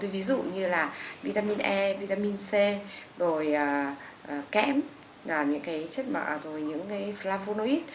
ví dụ như vitamin e vitamin c kém những chất mỡ những flavonoid